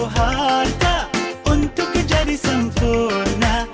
harta untuk kejadian sempurna